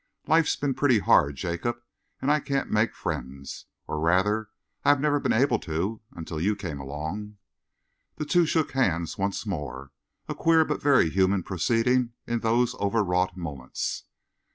Life's been pretty hard, Jacob, and I can't make friends. Or rather I never have been able to until you came along." They shook hands once more, a queer but very human proceeding in those overwrought moments.